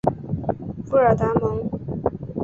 布尔达蒙。